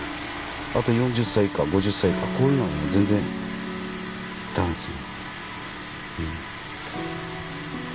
あと４０歳以下５０歳以下こういうのはもう全然ダメですね。